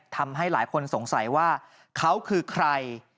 ทำให้หลายคนสงสัยว่าเขาคือใคร